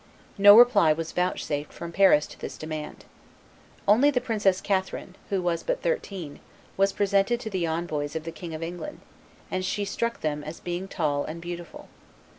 No reply was vouchsafed from Paris to this demand. Only the Princess Catherine, who was but thirteen, was presented to the envoys of the King of England, and she struck them as being tall and beautiful.